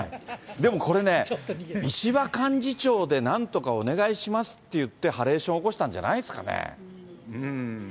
でもこれね、石破幹事長でなんとかお願いしますって言って、ハレーション起こしたんじゃないんですかね。